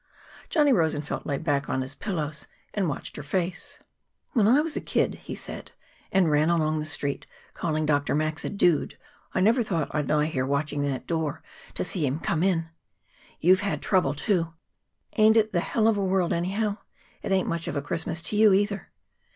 Johnny Rosenfeld lay back on the pillows and watched her face. "When I was a kid," he said, "and ran along the Street, calling Dr. Max a dude, I never thought I'd lie here watching that door to see him come in. You have had trouble, too. Ain't it the hell of a world, anyhow? It ain't much of a Christmas to you, either."